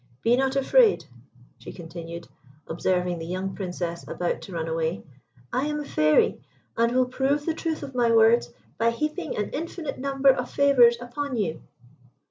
Be not afraid," she continued, observing the young Princess about to run away. "I am a Fairy, and will prove the truth of my words by heaping an infinite number of favours upon you."